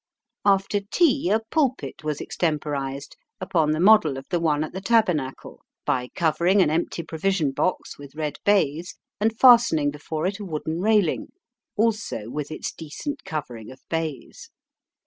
After tea a pulpit was extemporised, upon the model of the one at the Tabernacle, by covering an empty provision box with red baize, and fastening before it a wooden railing, also with its decent covering of baize.